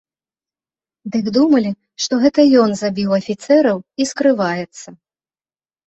Дык думалі, што гэта ён забіў афіцэраў і скрываецца.